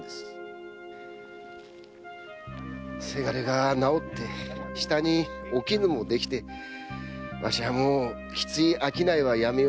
伜が治って下におきぬもできてわしはもうきつい商いはやめようと思い。